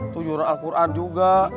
tuh jualan al quran juga